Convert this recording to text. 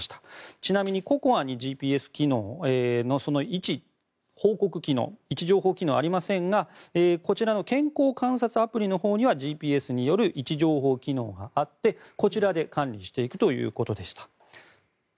ちなみにＣＯＣＯＡにＧＰＳ機能の位置情報機能はありませんがこちらの健康観察アプリのほうにはＧＰＳによる位置情報機能があってこちらで管理していくということでした。